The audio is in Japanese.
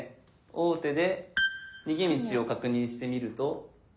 王手で逃げ道を確認してみると？